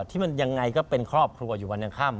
ที่มันยังไงก็เป็นครอบครัวอยู่วันยังค่ำ